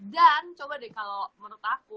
dan coba deh kalau menurut aku